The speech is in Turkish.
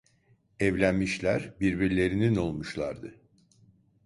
Evlenmişler; birbirlerinin olmuşlardı.